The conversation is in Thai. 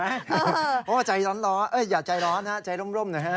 เพราะว่าใจร้อนอย่าใจร้อนฮะใจร่มหน่อยฮะ